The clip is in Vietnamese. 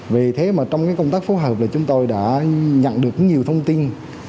vì thế mà trong cái công tác phối hợp là chúng tôi đã nhận được nhiều thông tin